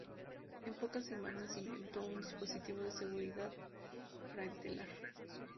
En pocas semanas inventó un dispositivo de seguridad para el telar.